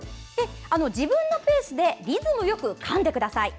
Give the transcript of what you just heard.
自分のペースでリズムよくかんでください。